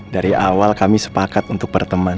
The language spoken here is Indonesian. dari awal kami sepakat untuk berteman